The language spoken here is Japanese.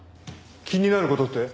気になる事って？